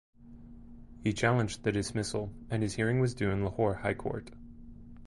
He challenged the dismissal and his hearing was due in Lahore High Court.